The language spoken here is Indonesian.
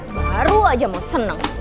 baru aja mau seneng